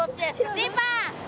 審判。